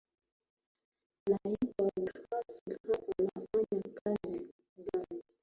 naitwa grace grace unafanya kazi gani